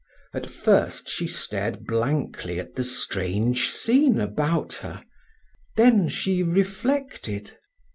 At first she stared blankly at the strange scene about her, then she reflected.